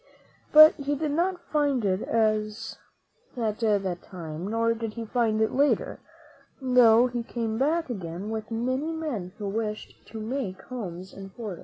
But he did not find it at that time, nor did he find it later, though he came back again, with many men who wished to make homes in Florida.